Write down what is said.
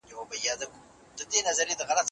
هغه د نوي واکمن سره خبرې وکړې.